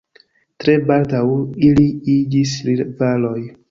Tre baldaŭ ili iĝis rivaloj.